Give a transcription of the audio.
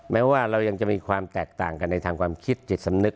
แม้ว่าเรายังจะมีความแตกต่างกันในทางความคิดจิตสำนึก